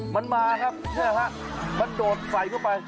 มันมาครับมันโดดไส่เข้าไป